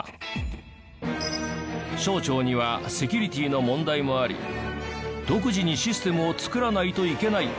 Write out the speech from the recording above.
省庁にはセキュリティの問題もあり独自にシステムを作らないといけない。